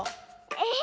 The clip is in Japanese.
え。